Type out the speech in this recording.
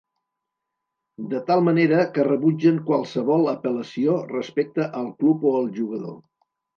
De tal manera que rebutgen qualsevol apel·lació respecte al club o el jugador.